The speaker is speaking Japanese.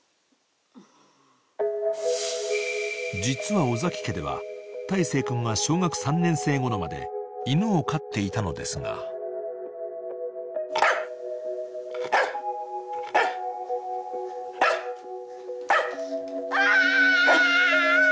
［実は尾崎家では大生君が小学３年生ごろまで犬を飼っていたのですが］うわ！